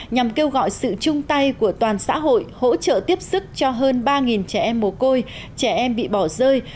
nhằm kêu gọi sự chung tay của toàn xã hội hỗ trợ tiếp sức cho hơn ba trẻ em mồ côi trẻ em bị bỏ rơi